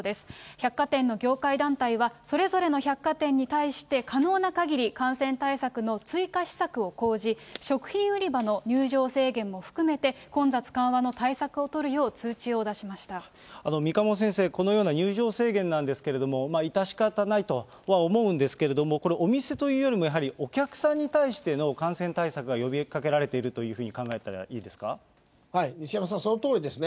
百貨店の業界団体は、それぞれの百貨店に対して、可能な限り、感染対策の追加施策を講じ、食品売り場の入場制限も含めて混雑緩和の対策を取るよう通知を出三鴨先生、このような入場制限なんですけれども、致し方ないとは思うんですけれども、これ、お店というよりも、やはりお客さんに対しての感染対策が呼びかけられているというふ西山さん、そのとおりですね。